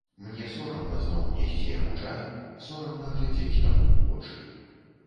Мне сорамна зноў несці яму чай, сорамна глядзець яму ў вочы.